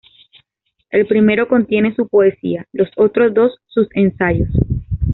El primero contiene su poesía; los otros dos sus ensayos.